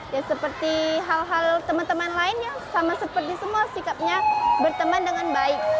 ya seperti hal hal teman teman lainnya sama seperti semua sikapnya berteman dengan baik